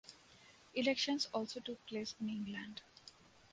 Elections also took place in England.